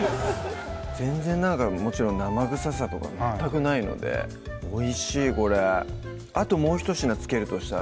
全然もちろん生臭さとか全くないのでおいしいこれあともうひと品付けるとしたら？